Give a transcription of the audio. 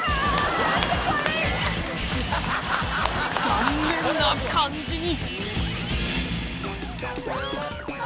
残念な感じに！